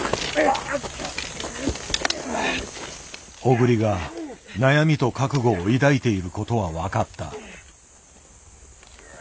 小栗が悩みと覚悟を抱いていることは分かった。